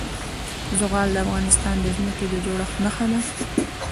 زغال د افغانستان د ځمکې د جوړښت نښه ده.